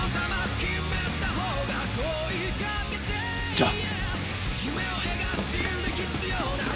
じゃあ。